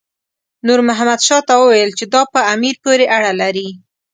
نور محمد شاه ته وویل چې دا په امیر پورې اړه لري.